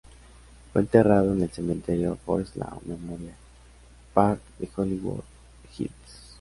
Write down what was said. Fue enterrado en el Cementerio Forest Lawn Memorial Park de Hollywood Hills.